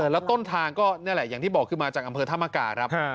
แล้วต้นทางก็นี่แหละอย่างที่บอกคือมาจากอำเภอธรรมกาครับ